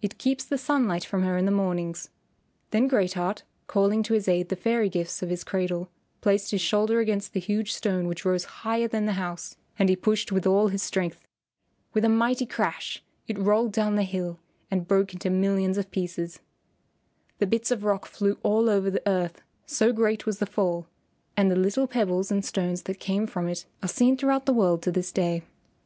It keeps the sunlight from her in the mornings." Then Great Heart, calling to his aid the fairy gifts of his cradle, placed his shoulder against the huge stone which rose higher than the house, and he pushed with all his strength. With a mighty crash it rolled down the hill and broke into millions of pieces. The bits of rock flew all over the earth so great was the fall, and the little pebbles and stones that came from it are seen throughout the world to this day.